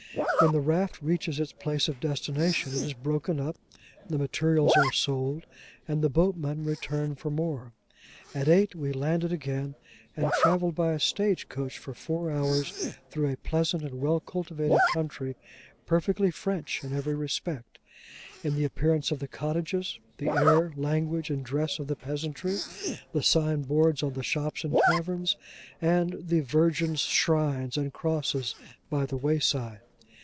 When the raft reaches its place of destination, it is broken up; the materials are sold; and the boatmen return for more. At eight we landed again, and travelled by a stage coach for four hours through a pleasant and well cultivated country, perfectly French in every respect: in the appearance of the cottages; the air, language, and dress of the peasantry; the sign boards on the shops and taverns: and the Virgin's shrines, and crosses, by the wayside.